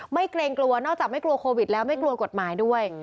เกรงกลัวนอกจากไม่กลัวโควิดแล้วไม่กลัวกฎหมายด้วย